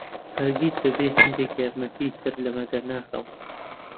هەرگیز بەبێ هەندێک یارمەتی سەر لەمە دەرناکەم.